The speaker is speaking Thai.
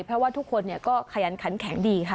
เพราะว่าทุกคนก็ขยันขันแข็งดีค่ะ